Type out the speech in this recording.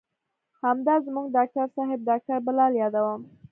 همدا زموږ ډاکتر صاحب ډاکتر بلال يادوم.